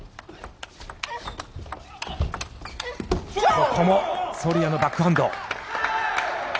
ここもソルヤのバックハンド。